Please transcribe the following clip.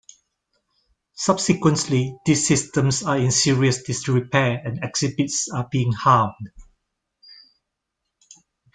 Subsequently, these systems are in serious disrepair and exhibits are being harmed.